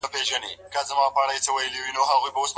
د رب العالمين په وينا که منځګړي اراده ولري څه کيږي؟